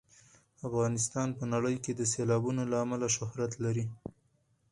افغانستان په نړۍ کې د سیلابونو له امله شهرت لري.